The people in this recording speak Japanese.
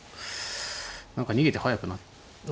何か逃げて速くなった。